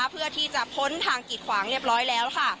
เพื่อที่จะพ้นทางกิดขวางเรียบร้อยแล้วค่ะ